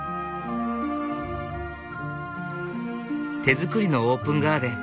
手づくりのオープンガーデン。